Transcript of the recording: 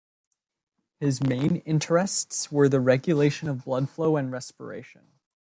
His main interests were the regulation of blood flow and respiration.